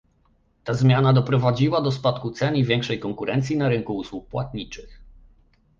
Ta zmiana doprowadziła do spadku cen i większej konkurencji na rynku usług płatniczych